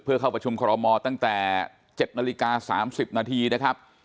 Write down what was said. เพื่อเข้าประชุมคอรมอตั้งแต่๗นาฬิกา๓๐นาทีนะครับ